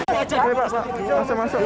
maskernya dipakai dulu